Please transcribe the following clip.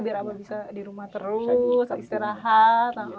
biar abah bisa di rumah terus istirahat